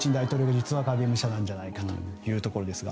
実は影武者なんじゃないかというところですが。